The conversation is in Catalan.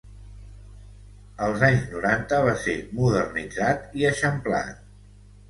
Als anys noranta va ser modernitzat i eixamplat.